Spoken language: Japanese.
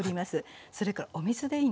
それからお水でいいんです。